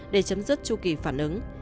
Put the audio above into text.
để chấm dứt chu kỳ phản ứng